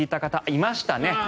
いましたね。